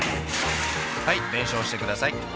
はい弁償してください